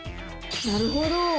なるほど！